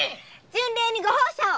巡礼にご報謝を。